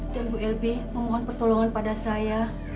dan bu elbi memohon pertolongan pada saya